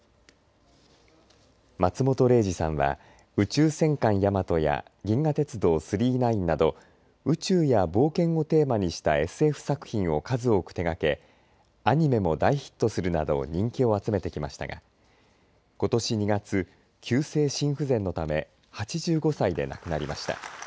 松本零士さんは宇宙戦艦ヤマトや銀河鉄道９９９など宇宙や冒険をテーマにしたＳＦ作品を数多く手がけアニメも大ヒットするなど人気を集めてきましたがことし２月急性心不全のため８５歳で亡くなりました。